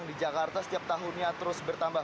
di jakarta setiap tahunnya terus bertambah